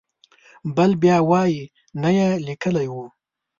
بل بیا وایي نه یې لیکلی و.